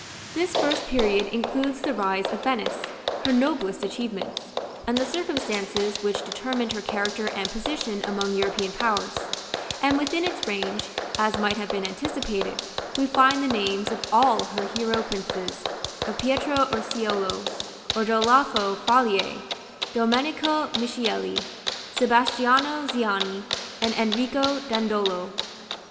This first period includes the rise of Venice, her noblest achievements, and the circumstances which determined her character and position among European powers; and within its range, as might have been anticipated, we find the names of all her hero princes, of Pietro Urseolo, Ordalafo Falier, Domenico Michieli, Sebastiano Ziani, and Enrico Dandolo.